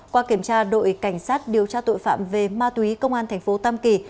qua kiểm tra đội cảnh sát điều tra tội phạm về ma túy công an thành phố tam kỳ